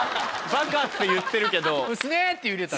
「バカ」って言ってるけど。